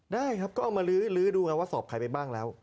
ได้ครับก็เอามาลื้อดูไงว่าสอบใครไปบ้างแล้ว